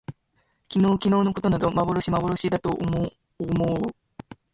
昨日きのうのことなど幻まぼろしだと思おもおう